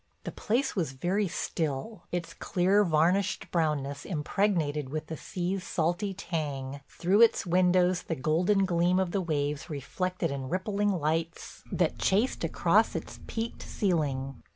The place was very still, its clear, varnished brownness impregnated with the sea's salty tang, through its windows the golden gleam of the waves reflected in rippling lights that chased across its peaked ceiling.